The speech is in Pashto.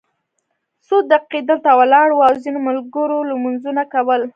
څو دقیقې دلته ولاړ وو او ځینو ملګرو لمونځونه کول.